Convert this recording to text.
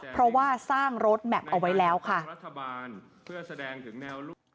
เพราะว่าสร้างโรดแมปเอาไว้แล้วค่ะ